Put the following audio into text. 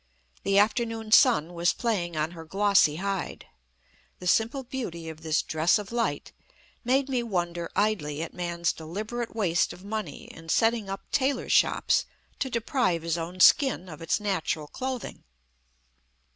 The afternoon sun was playing on her glossy hide. The simple beauty of this dress of light made me wonder idly at man's deliberate waste of money in setting up tailors' shops to deprive his own skin of its natural clothing.